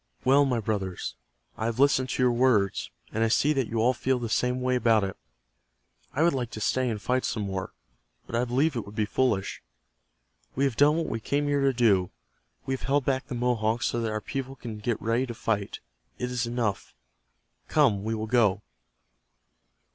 "Well, my brothers, I have listened to your words, and I see that you all feel the same way about it. I would like to stay and fight some more, but I believe it would be foolish. We have done what we came here to do. We have held back the Mohawks so that our people can get ready to fight It is enough. Come, we will go."